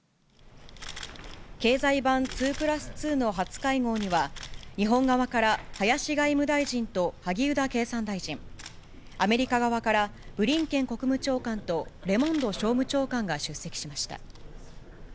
経済版２プラス２の初会合には、日本側から林外務大臣と萩生田経産大臣、アメリカ側からブリンケン国務長官とレモンド商務長官が出席しました。